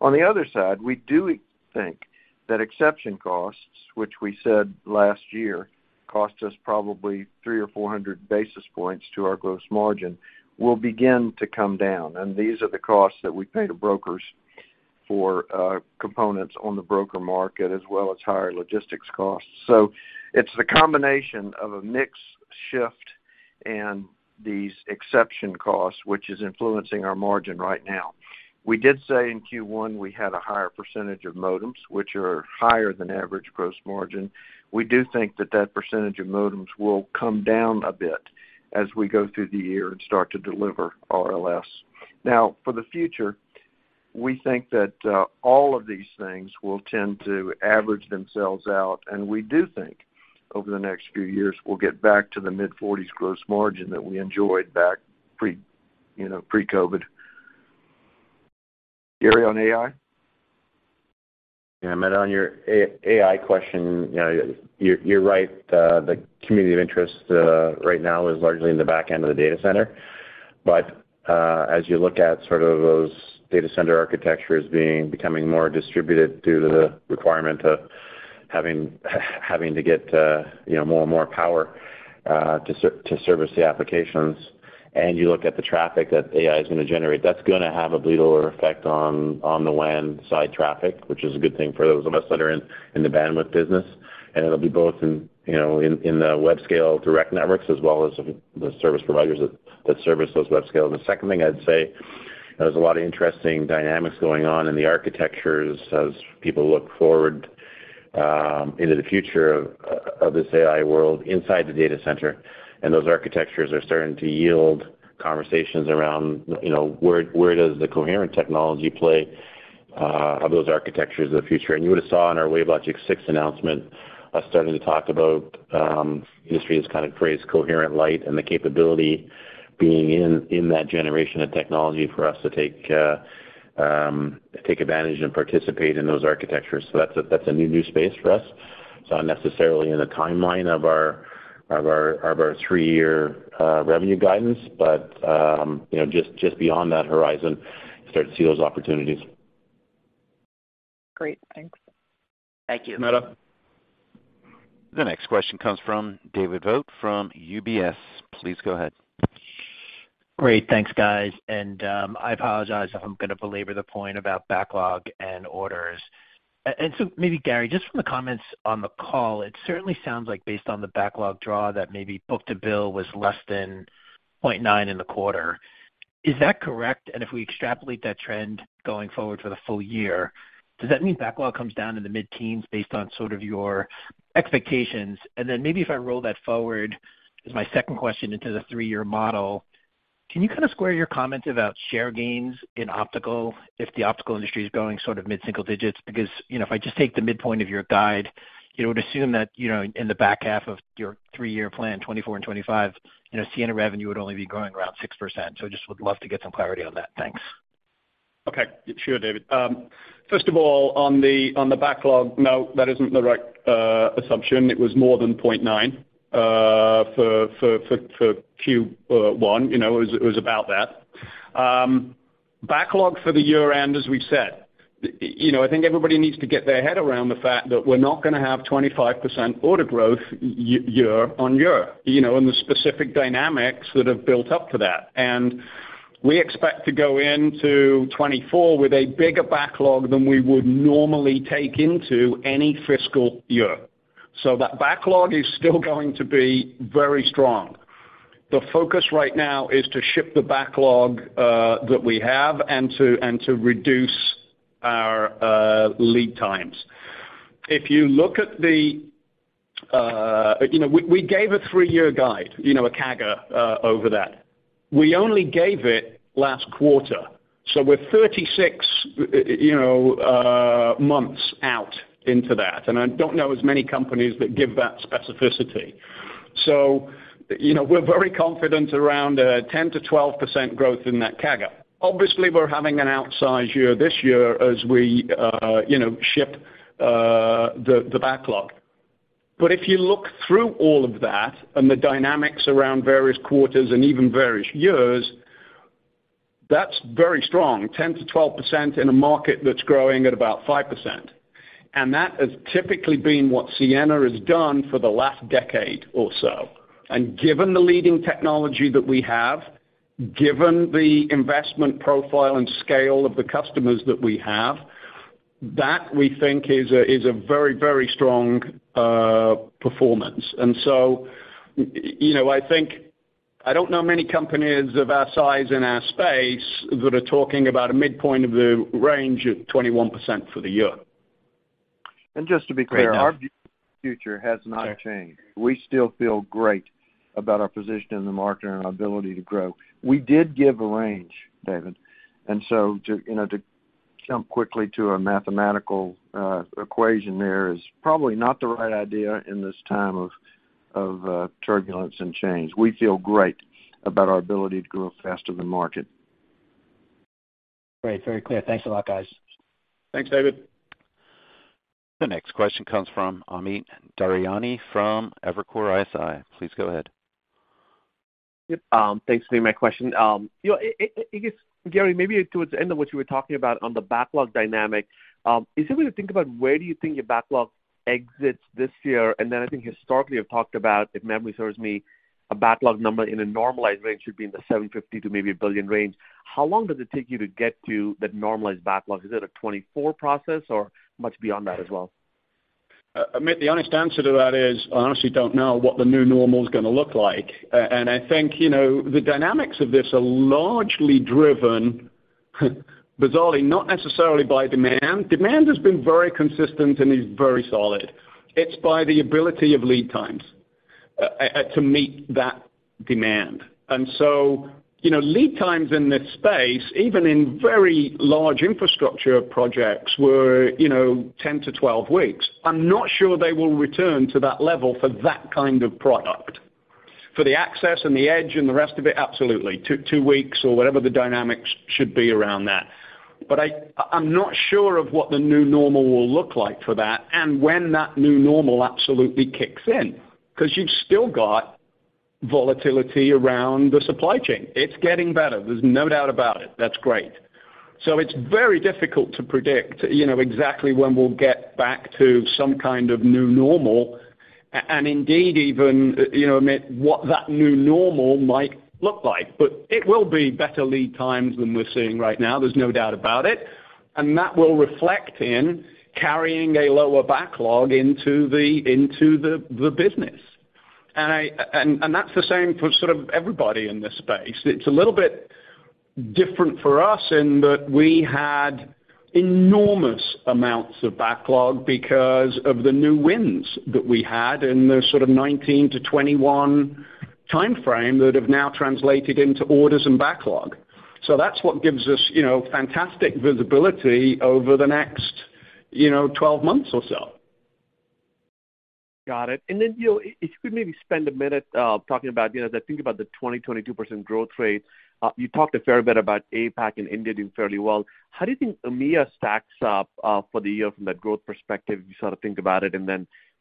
D: On the other side, we do think that exception costs, which we said last year cost us probably 300 or 400 basis points to our gross margin, will begin to come down. These are the costs that we pay to brokers for components on the broker market, as well as higher logistics costs. It's the combination of a mix shift and these exception costs, which is influencing our margin right now. We did say in Q1 we had a higher percentage of modems, which are higher than average gross margin. We do think that that percentage of modems will come down a bit as we go through the year and start to deliver RLS. For the future, we think that all of these things will tend to average themselves out. We do think over the next few years, we'll get back to the mid-forties gross margin that we enjoyed back pre, you know, pre-COVID. Gary, on AI?
C: Yeah. Meta, on your AI question, you know, you're right. The community of interest right now is largely in the back end of the data center. As you look at sort of those data center architectures becoming more distributed due to the requirement of having to get, you know, more and more power to service the applications, and you look at the traffic that AI is going to generate, that's going to have a little effect on the WAN side traffic, which is a good thing for those of us that are in the bandwidth business. It'll be both in, you know, in the Webscale direct networks as well as the service providers that service those webscale.
F: The second thing I'd say, there's a lot of interesting dynamics going on in the architectures as people look forward, into the future of this AI world inside the data center. Those architectures are starting to yield conversations around, you know, where does the coherent technology play of those architectures of the future? You would have saw in our WaveLogic 6 announcement, us starting to talk about, the industry has kind of phrased coherent light and the capability being in that generation of technology for us to take advantage and participate in those architectures. That's a new space for us. It's not necessarily in the timeline of our three-year revenue guidance, but, you know, just beyond that horizon, you start to see those opportunities.
L: Great. Thanks.
K: Thank you.
C: Meta.
A: The next question comes from David Vogt from UBS. Please go ahead.
M: Great. Thanks, guys. I apologize if I'm going to belabor the point about backlog and orders. Maybe Gary, just from the comments on the call, it certainly sounds like based on the backlog draw, that maybe book-to-bill was less than 0.9 in the quarter. Is that correct? If we extrapolate that trend going forward for the full year, does that mean backlog comes down in the mid-teens based on sort of your expectations? Then maybe if I roll that forward as my second question into the three-year model, can you kind of square your comments about share gains in optical if the optical industry is going sort of mid-single digits? You know, if I just take the midpoint of your guide, it would assume that, you know, in the back half of your three-year plan, 2024 and 2025, you know, Ciena revenue would only be growing around 6%. I just would love to get some clarity on that. Thanks.
C: Okay. Sure, David. First of all, on the backlog, no, that isn't the right assumption. It was more than 0.9 for Q1, you know, it was about that. Backlog for the year-end, as we've said, you know, I think everybody needs to get their head around the fact that we're not gonna have 25% order growth year-on-year, you know, and the specific dynamics that have built up for that. We expect to go into 2024 with a bigger backlog than we would normally take into any fiscal year. That backlog is still going to be very strong. The focus right now is to ship the backlog that we have and to reduce our lead times. If you look at the, you know, we gave a 3-year guide, you know, a CAGR over that. We only gave it last quarter, so we're 36, you know, months out into that, and I don't know as many companies that give that specificity. you know, we're very confident around 10%-12% growth in that CAGR. Obviously, we're having an outsized year this year as we, you know, ship, the backlog. If you look through all of that and the dynamics around various quarters and even various years, that's very strong, 10%-12% in a market that's growing at about 5%. That has typically been what Ciena has done for the last decade or so. Given the leading technology that we have, given the investment profile and scale of the customers that we have, that, we think, is a very, very strong performance. You know, I think I don't know many companies of our size in our space that are talking about a midpoint of the range of 21% for the year.
D: Just to be clear, our view of the future has not changed. We still feel great about our position in the market and our ability to grow. We did give a range, David. To, you know, to jump quickly to a mathematical equation there is probably not the right idea in this time of turbulence and change. We feel great about our ability to grow faster than market.
M: Great. Very clear. Thanks a lot, guys.
C: Thanks, David.
A: The next question comes from Amit Daryanani from Evercore ISI. Please go ahead.
N: Yep. Thanks for taking my question. You know, it is, Gary, maybe towards the end of what you were talking about on the backlog dynamic, is there a way to think about where do you think your backlog exits this year? I think historically you've talked about, if memory serves me, a backlog number in a normalized range should be in the $750 million to maybe $1 billion range. How long does it take you to get to that normalized backlog? Is it a 2024 process or much beyond that as well?
C: Amit, the honest answer to that is I honestly don't know what the new normal is gonna look like. And I think, you know, the dynamics of this are largely driven, bizarrely, not necessarily by demand. Demand has been very consistent and is very solid. It's by the ability of lead times to meet that demand. You know, lead times in this space, even in very large infrastructure projects, were, you know, 10-12 weeks. I'm not sure they will return to that level for that kind of product. For the access and the edge and the rest of it, absolutely. Two weeks or whatever the dynamics should be around that. I'm not sure of what the new normal will look like for that and when that new normal absolutely kicks in, 'cause you've still got volatility around the supply chain. It's getting better, there's no doubt about it. That's great. It's very difficult to predict, you know, exactly when we'll get back to some kind of new normal, and indeed even, you know, Amit, what that new normal might look like. It will be better lead times than we're seeing right now, there's no doubt about it, and that will reflect in carrying a lower backlog into the business. That's the same for sort of everybody in this space. It's a little bit different for us in that we had enormous amounts of backlog because of the new wins that we had in the sort of 19-21 timeframe that have now translated into orders and backlog. That's what gives us, you know, fantastic visibility over the next, you know, 12 months or so.
N: Got it. You know, if you could maybe spend a minute, talking about, you know, as I think about the 20%-22% growth rate, you talked a fair bit about APAC and India doing fairly well. How do you think EMEA stacks up, for the year from that growth perspective, if you sort of think about it? You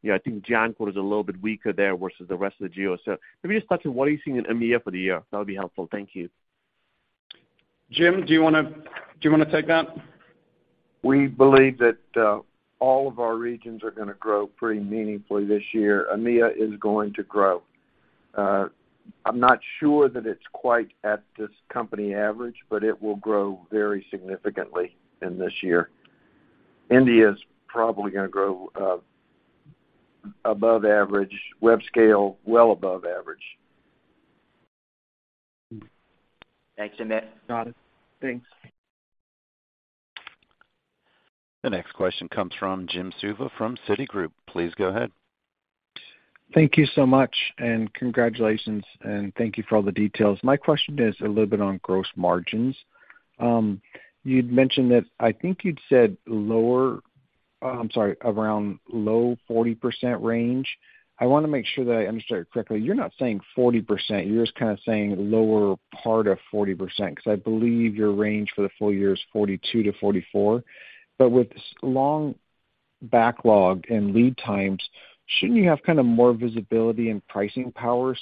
N: know, I think Jan code is a little bit weaker there versus the rest of the geos. Maybe just touch on what are you seeing in EMEA for the year. That would be helpful. Thank you.
C: Jim, do you wanna take that?
D: We believe that all of our regions are going to grow pretty meaningfully this year. EMEA is going to grow. I'm not sure that it's quite at this company average, but it will grow very significantly in this year. India is probably going to grow above average. Webscale, well above average. Thanks, Amit.
N: Got it. Thanks.
A: The next question comes from Jim Suva from Citigroup. Please go ahead.
O: Thank you so much, congratulations, thank you for all the details. My question is a little bit on gross margins. You'd mentioned that... I think you'd said lower... I'm sorry, around low 40% range. I wanna make sure that I understood correctly. You're not saying 40%, you're just kinda saying lower part of 40%, 'cause I believe your range for the full year is 42%-44%. With long backlog and lead times, shouldn't you have kind of more visibility and pricing power? Is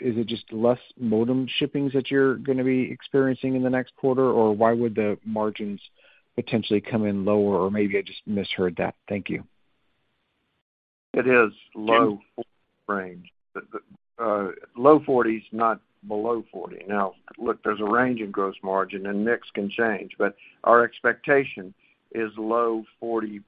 O: it just less modem shippings that you're gonna be experiencing in the next quarter? Why would the margins potentially come in lower? Maybe I just misheard that. Thank you.
D: It is low range. Low 40s, not below 40. Now, look, there's a range in gross margin, and mix can change, but our expectation is low 40%.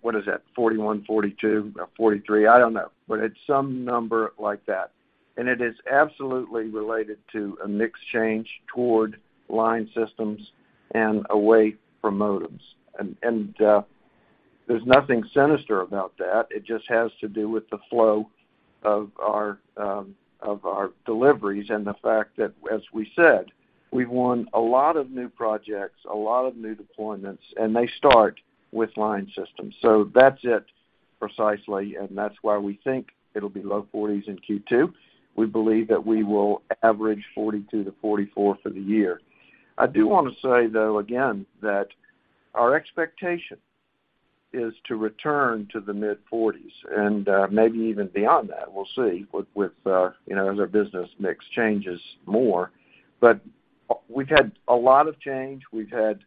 D: What is that? 41, 42, 43, I don't know, but it's some number like that. It is absolutely related to a mix change toward line systems and away from modems. There's nothing sinister about that. It just has to do with the flow of our deliveries and the fact that, as we said, we've won a lot of new projects, a lot of new deployments, and they start with line systems. That's it precisely, and that's why we think it'll be low 40s in Q2. We believe that we will average 42-44 for the year. I do wanna say, though, again, that our expectation is to return to the mid-40s and maybe even beyond that. We'll see with you know, as our business mix changes more. We've had a lot of change, we've had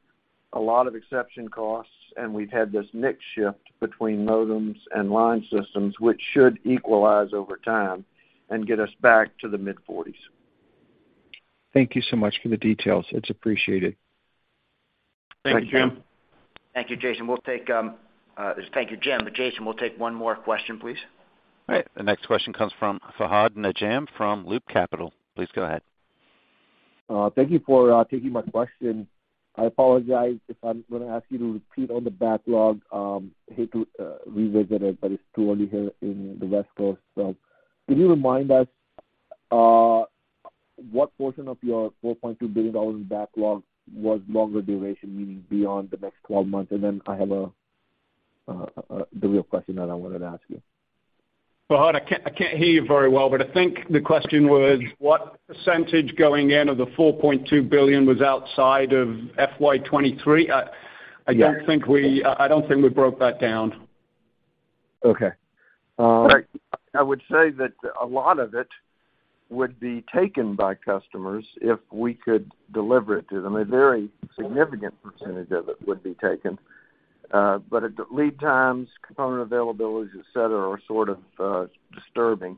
D: a lot of exception costs, and we've had this mix shift between modems and line systems, which should equalize over time and get us back to the mid-40s.
O: Thank you so much for the details. It's appreciated.
D: Thank you, Jim.
B: Thank you, Jason. We'll take, thank you, Jim. Jason, we'll take one more question, please.
A: All right, the next question comes from Fahad Najam from Loop Capital. Please go ahead.
P: Thank you for taking my question. I apologize if I'm gonna ask you to repeat on the backlog. Hate to revisit it, but it's too early here in the West Coast. Can you remind us what portion of your $4.2 billion in backlog was longer duration, meaning beyond the next 12 months? I have the real question that I wanted to ask you.
D: Fahad, I can't hear you very well, but I think the question was what percentage going in of the $4.2 billion was outside of FY 2023. I don't think we.
P: Yeah.
D: I don't think we broke that down.
P: Okay.
D: I would say that a lot of it would be taken by customers if we could deliver it to them. A very significant percentage of it would be taken. Lead times, component availabilities, et cetera, are sort of disturbing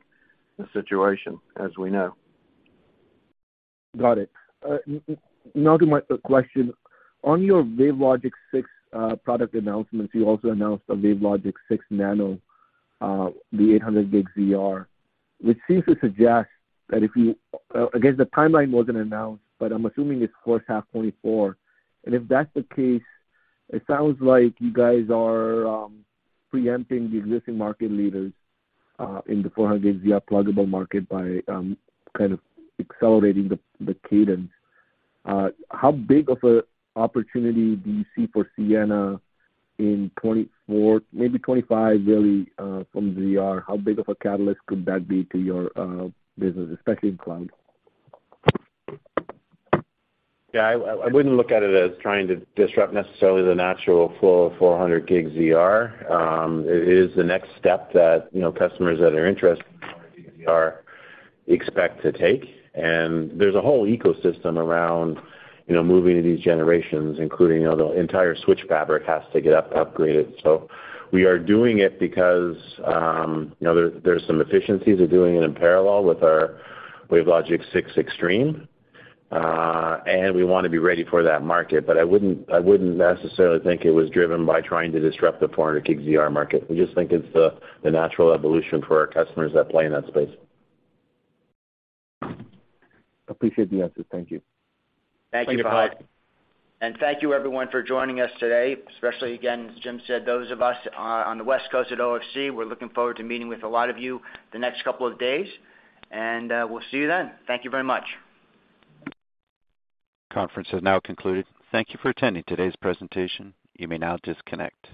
D: the situation as we know.
P: Got it. Now to my question. On your WaveLogic 6 product announcements, you also announced a WaveLogic 6 Nano, the 800 Gb ZR, which seems to suggest that if you again, the timeline wasn't announced, but I'm assuming it's for half 2024. If that's the case, it sounds like you guys are preempting the existing market leaders in the 400 Gb ZR pluggable market by kind of accelerating the cadence. How big of an opportunity do you see for Ciena in 2024, maybe 2025 really, from ZR? How big of a catalyst could that be to your business, especially in cloud?
F: Yeah. I wouldn't look at it as trying to disrupt necessarily the natural flow of 400 Gb ZR. It is the next step that, you know, customers that are interested in ZR expect to take. There's a whole ecosystem around, you know, moving to these generations, including, you know, the entire switch fabric has to get upgraded. We are doing it because, you know, there's some efficiencies of doing it in parallel with our WaveLogic 6 Extreme. We wanna be ready for that market. I wouldn't, I wouldn't necessarily think it was driven by trying to disrupt the 400 Gb ZR market. We just think it's the natural evolution for our customers that play in that space.
P: Appreciate the answer. Thank you.
B: Thank you, Fahad. Thank you everyone for joining us today, especially again, as Jim said, those of us on the West Coast at OFC, we're looking forward to meeting with a lot of you the next couple of days. We'll see you then. Thank you very much.
A: Conference has now concluded. Thank you for attending today's presentation. You may now disconnect.